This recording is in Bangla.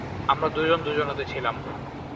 আমরা দুজন দুজনাতে ছিলাম।